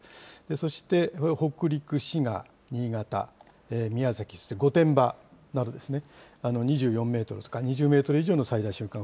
そして北陸、滋賀、新潟、宮崎、そして御殿場などですね、２４メートルとか２０メートル以上の最大瞬間